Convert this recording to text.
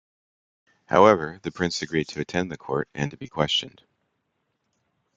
However, the Prince agreed to attend the court, and to be questioned.